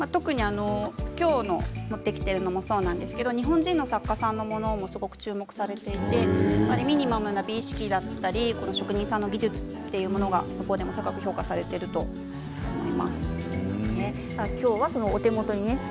今日、持ってきているものもそうですが日本人の作家さんのものもすごく注目されていてミニマムな美意識だったり職人さんの技術というものが向こうでも高く評価されていると今日はお手元に。